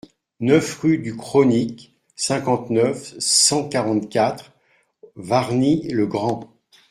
neuf rue du Chronique, cinquante-neuf, cent quarante-quatre, Wargnies-le-Grand